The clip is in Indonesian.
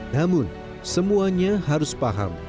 namun semuanya harus paham